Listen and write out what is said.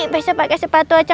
besok pakai sepatu aja